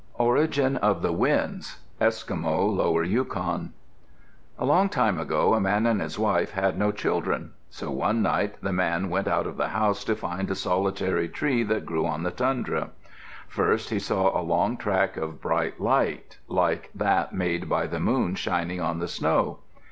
ORIGIN OF THE WINDS Eskimo (Lower Yukon) A long time ago a man and his wife had no children. So one night the man went out of the house to find a solitary tree that grew on the tundra. First he saw a long track of bright light, like that made by the moon shining on the snow.